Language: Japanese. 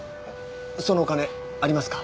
そのお金ありますか？